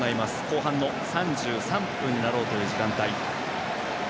後半の３３分になろうという時間帯。